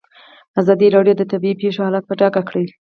ازادي راډیو د طبیعي پېښې حالت په ډاګه کړی.